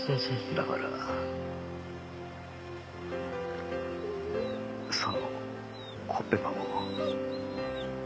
だからそのコッペパンを返せ。